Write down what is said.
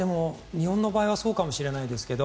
日本の場合はそうかもしれませんが。